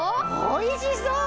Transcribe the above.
おいしそう！